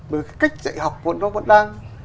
bởi cái cách dạy học của nó vẫn đang